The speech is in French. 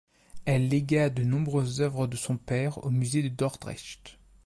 Elle légua de nombreuses œuvres de son père au musée de Dordrecht.